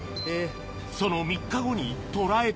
その３日後に捉えた。